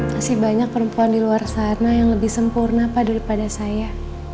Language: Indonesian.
masih banyak perempuan di luar sana yang lebih sempurna pak daripada saya